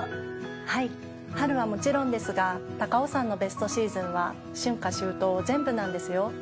はい春はもちろんですが高尾山のベストシーズンは春夏秋冬全部なんですよ。